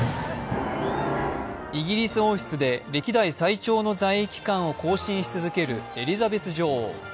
イギリス王室で歴代最長の在位期間を更新し続けるエリザベス女王。